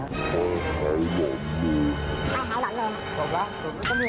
หายหล่อนเลยครับ